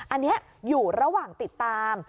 อันนี้อยู่ระหว่างติดตาม